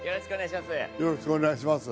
よろしくお願いします。